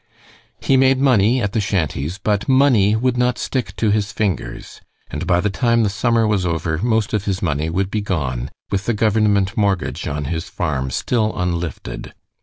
He made money at the shanties, but money would not stick to his fingers, and by the time the summer was over most of his money would be gone, with the government mortgage on his farm still unlifted.